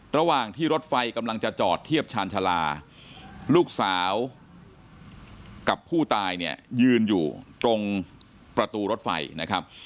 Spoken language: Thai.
ระหว่างที่รถไฟกำลังจะจอดเทียบชาญชาลาลูกสาวกับผู้ตายเนี่ยยืนอยู่ตรงประตูรถไฟนะครับ